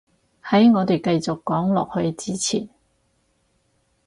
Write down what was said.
喺我哋繼續講落去之前